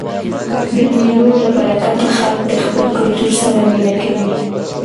د مېلو له برکته خلک له خپل کلتور سره مینه کوي.